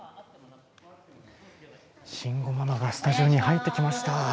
慎吾ママがスタジオに入ってきました。